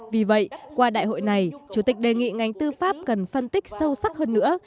vì vậy qua đại hội này chủ tịch đề nghị ngành tư pháp cần phân tích sâu sắc hơn nữa